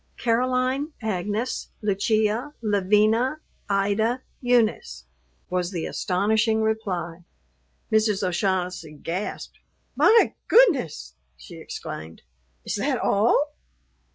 "Caroline Agnes Lucia Lavina Ida Eunice," was the astonishing reply. Mrs. O'Shaughnessy gasped. "My goodness," she exclaimed; "is that all?"